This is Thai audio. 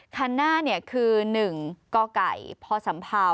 คันหน้าคือ๑กพศ๔๔๓๗